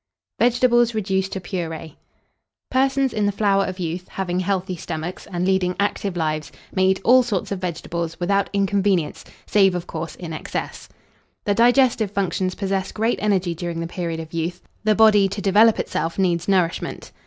VEGETABLES REDUCED TO PURÉE. Persons in the flower of youth, having healthy stomachs, and leading active lives, may eat all sorts of vegetables, without inconvenience, save, of course, in excess. The digestive functions possess great energy during the period of youth: the body, to develop itself, needs nourishment.